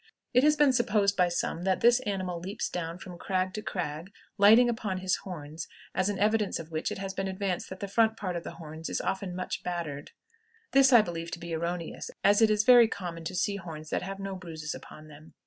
It has been supposed by some that this animal leaps down from crag to crag, lighting upon his horns, as an evidence of which it has been advanced that the front part of the horns is often much battered. This I believe to be erroneous, as it is very common to see horns that have no bruises upon them.